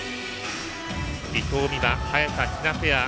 伊藤美誠、早田ひなペア。